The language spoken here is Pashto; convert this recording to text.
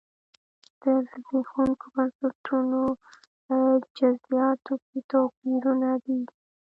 د زبېښونکو بنسټونو په جزییاتو کې توپیرونه دي.